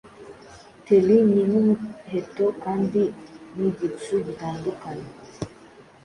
Theli ni nkumuheto kandi nkigicu gitandukana